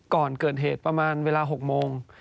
ก่อนเกิดเหตุประมาณเวลา๖โมง